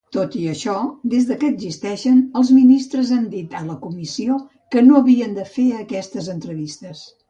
Tot i això, des que existeixen, els ministres han dit a la comissió que no havien de fer aquestes entrevistes.